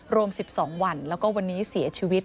รวม๑๒วันแล้วก็วันนี้เสียชีวิต